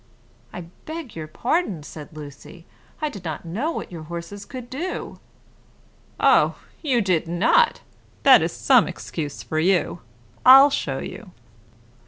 "I beg your pardon," said Lucy; "I did not know what your horses could do." "Oh, you did not! That is some excuse for you. I'll show you."